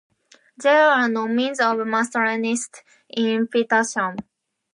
There are no means of mass transit in Petersham.